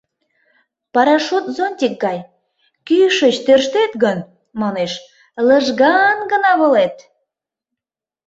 — Парашют зонтик гай, кӱшыч тӧрштет гын, манеш, лыжган гына волет.